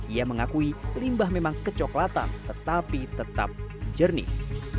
ia mengakui limbah memang kecoklatan tetapi tetap jernih